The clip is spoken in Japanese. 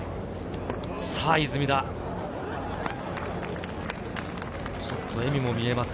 さぁ、出水田、ちょっと笑みも見えます。